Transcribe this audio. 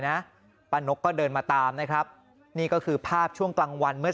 นะป้านกก็เดินมาตามนะครับนี่ก็คือภาพช่วงกลางวันเมื่อ